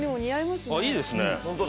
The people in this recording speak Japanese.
いいですね。